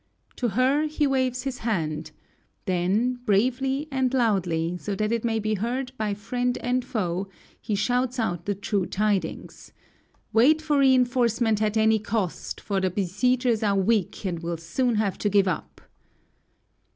To her he waves his hand; then, bravely and loudly, so that it may be heard by friend and foe, he shouts out the true tidings, "Wait for reinforcement at any cost, for the besiegers are weak and will soon have to give up."